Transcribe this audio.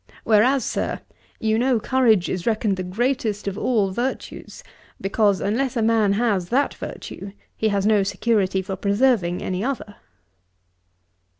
Whereas, Sir, you know courage is reckoned the greatest of all virtues; because, unless a man has that virtue, he has no security for preserving any other.'